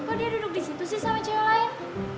kok dia duduk disitu sih sama cewek lain